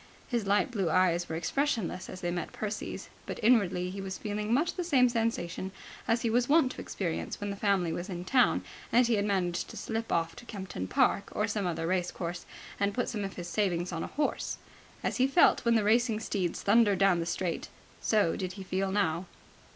His light blue eyes were expressionless as they met Percy's, but inwardly he was feeling much the same sensation as he was wont to experience when the family was in town and he had managed to slip off to Kempton Park or some other race course and put some of his savings on a horse. As he felt when the racing steeds thundered down the straight, so did he feel now.